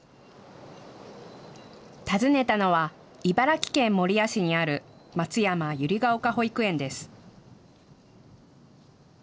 訪ねたのは茨城県守谷市にあるまつやま百合ヶ丘保育園です。